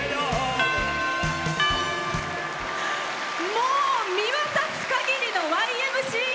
もう見渡すかぎりの「Ｙ．Ｍ．Ｃ．Ａ．」